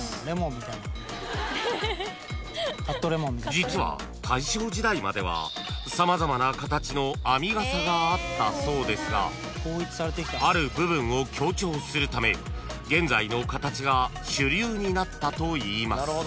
［実は大正時代までは様々な形の編みがさがあったそうですがある部分を強調するため現在の形が主流になったといいます］